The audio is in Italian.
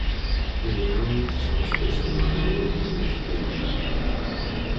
Gli allevamenti sono spesso in mano a gruppi industriali.